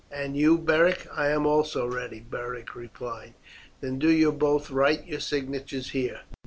"And you, Beric?" "I am also ready," Beric replied. "Then do you both write your signatures here."